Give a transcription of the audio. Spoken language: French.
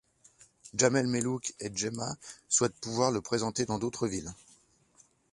Djamel Mellouk et Gemma souhaitent pouvoir le présenter dans d'autres villes.